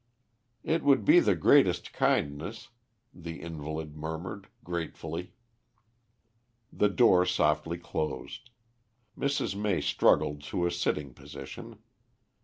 "It would be the greatest kindness," the invalid murmured gratefully. The door softly closed; Mrs. May struggled to a sitting position.